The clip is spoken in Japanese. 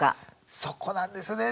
そこなんですね。